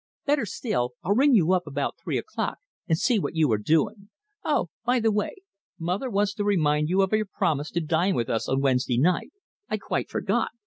"Better still, I'll ring you up about three o'clock and see what you are doing. Oh! by the way, mother wants to remind you of your promise to dine with us on Wednesday night. I quite forgot.